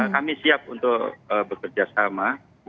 kami siap untuk bekerja sama